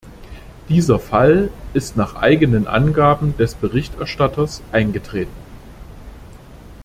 Dieser Fall ist nach eigenen Angaben des Berichterstatters eingetreten.